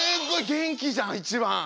元気じゃん一番！